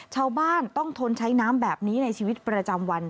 ชาวบ้านต้องทนใช้น้ำแบบนี้ในชีวิตประจำวัน